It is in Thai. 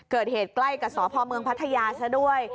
เกิดเหตุใกล้กับสพเมืองพัทยาซะด้วย